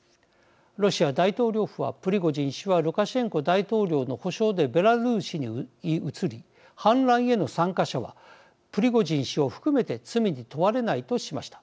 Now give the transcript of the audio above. ロシア大統領府はプリゴジン氏はルカシェンコ大統領の保証でベラルーシに移り反乱への参加者はプリゴジン氏を含めて罪に問われないとしました。